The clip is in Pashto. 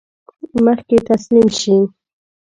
مخکې تسلیم شي.